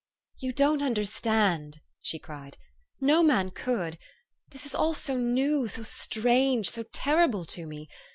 " You don't understand !" she cried. " No man could. This is all so new, so strange, so terrible, to me.